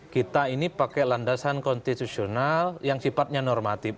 kita ini pakai landasan konstitusional yang sifatnya normatif